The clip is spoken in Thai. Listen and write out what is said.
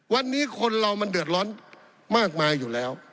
วันนี้คนเรามันเดือดร้อนมากมายอยู่แล้ว